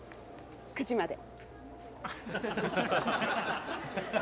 ９時まで。